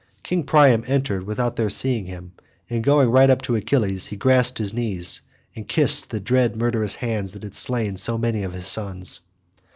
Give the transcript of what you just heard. King Priam entered without their seeing him, and going right up to Achilles he clasped his knees and kissed the dread murderous hands that had slain so many of his sons.